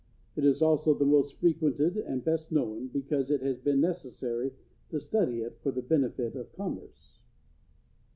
It is also the most frequented and best known, because it has been necessary to study it for the benefit of commerce.